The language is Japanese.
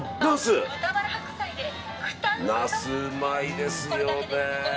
ナスうまいですよね。